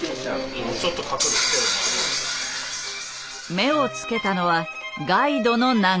目をつけたのはガイドの長さ。